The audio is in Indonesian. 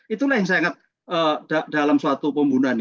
itulah yang saya ingat dalam suatu pembunuhan